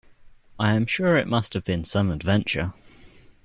I am sure it must have been some adventure.